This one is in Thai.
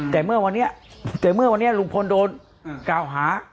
แต่เมื่อวันนี้ลุงพลโดนกล่าวหา